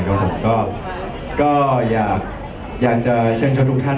ก็ไม่มีคนกลับมาหรือเปล่า